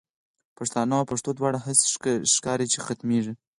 پښتانه او پښتو دواړه، هسی ښکاری چی ختمیږی